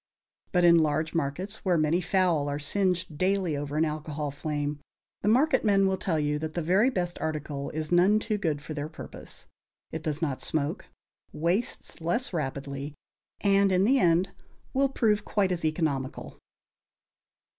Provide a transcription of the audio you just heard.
But in large markets, where many fowl are singed daily over an alcohol flame, the marketmen will tell you that the very best article is none too good for their purpose. It does not smoke, wastes less rapidly, and in the end will prove quite as economical.